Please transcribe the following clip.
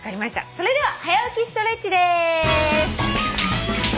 それでは「はや起きストレッチ」です。